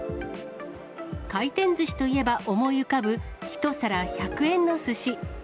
回転ずしといえば思い浮かぶ、１皿１００円のすし。